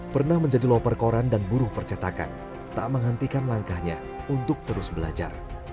pernah menjadi loper koran dan buruh percetakan tak menghentikan langkahnya untuk terus belajar